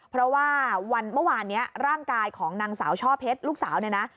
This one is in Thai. เพราะว่าวันเมื่อวานนี้ร่างกายของนางสาวช่อเพชรลูกสาวเนี่ยนะ